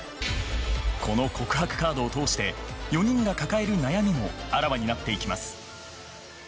この告白カードを通して４人が抱える悩みもあらわになっていきます。